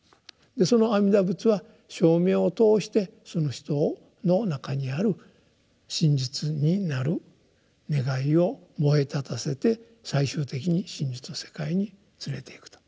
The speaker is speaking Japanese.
その阿弥陀仏は称名を通してその人の中にある真実になる願いを燃え立たせて最終的に真実の世界に連れていくと。